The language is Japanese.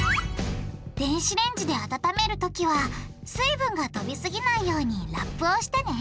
電子レンジで温めるときは水分が飛びすぎないようにラップをしてね！